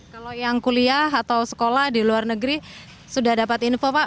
kalau yang kuliah atau sekolah di luar negeri sudah dapat info pak